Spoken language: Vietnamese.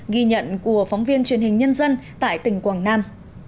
ghi nhận của phóng viên truyền hình nhân dân tại tỉnh quảng nam